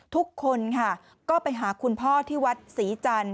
ทุกคนค่ะก็ไปหาคุณพ่อที่วัดศรีจันทร์